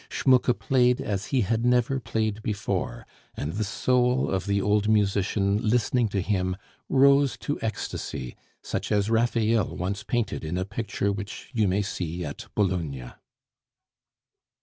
Schmucke played as he had never played before, and the soul of the old musician listening to him rose to ecstasy such as Raphael once painted in a picture which you may see at Bologna.